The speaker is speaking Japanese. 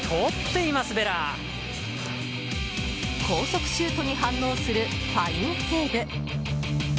高速シュートに反応するファインセーブ。